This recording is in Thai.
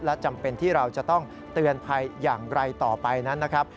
และจำเป็นที่เราจะต้องเตือนภัยอย่างไรต่อไปนั้นนะครับ